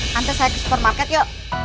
nanti saya ke supermarket yuk